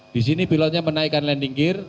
disini pilot menaikkan landing gear